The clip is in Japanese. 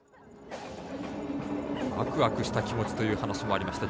ワクワクした気持ちという話もありました。